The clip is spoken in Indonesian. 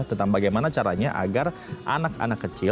tentang bagaimana caranya agar anak anak kecil